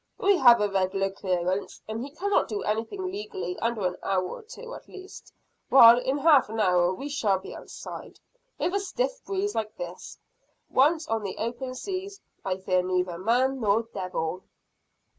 We have a regular clearance, and he cannot do anything legally under an hour or two at least while in half an hour we shall be outside. With a stiff breeze like this, once on the open seas, I fear neither man nor devil!"